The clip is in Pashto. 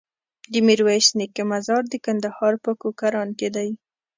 د ميرويس نيکه مزار د کندهار په کوکران کی دی